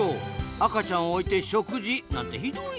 赤ちゃんを置いて食事なんてひどいじゃないですか。